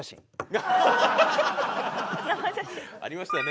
生写真？ありましたよね